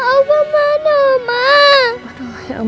oma kenapa oma